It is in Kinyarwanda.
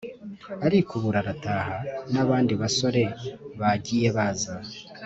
arikubura arataha. n’abandi basore bagiye baza